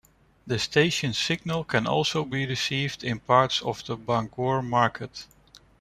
The station's signal can also be received in parts of the Bangor market.